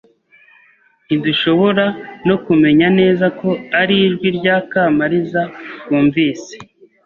Ntidushobora no kumenya neza ko ari ijwi rya Kamaliza twumvise.